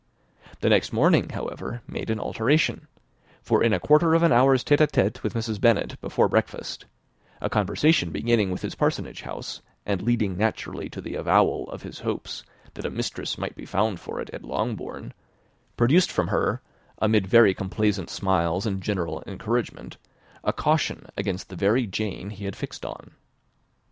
The next morning, however, made an alteration; for in a quarter of an hour's tête à tête with Mrs. Bennet before breakfast, a conversation beginning with his parsonage house, and leading naturally to the avowal of his hopes, that a mistress for it might be found at Longbourn, produced from her, amid very complaisant smiles and general encouragement, a caution against the very Jane he had fixed on.